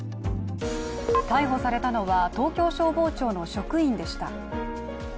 逮捕されたのは東京消防庁の職員でした。